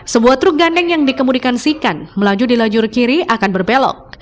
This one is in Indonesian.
sebuah truk gandeng yang dikemudikan sikan melaju di lajur kiri akan berbelok